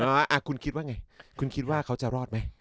ว่าคุณคิดว่าไงคุณคิดว่าเขาจะรอดไหม